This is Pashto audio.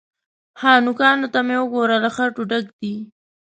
_ها! نوکانو ته مې وګوره، له خټو ډک دي.